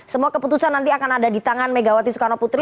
semua keputusan nanti akan ada di tangan megawati soekarno putri